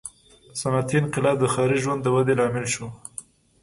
• صنعتي انقلاب د ښاري ژوند د ودې لامل شو.